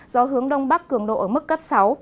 gió hướng đông bắc cường độ ở mức cấp sáu